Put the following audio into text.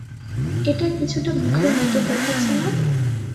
এটা কিছুটা মুখের মতো দেখাচ্ছে না?